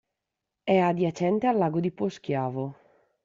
È adiacente al Lago di Poschiavo..